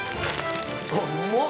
あっうまっ！